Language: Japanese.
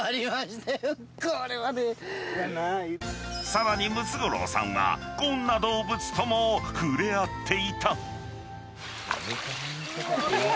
［さらにムツゴロウさんはこんな動物とも触れ合っていた］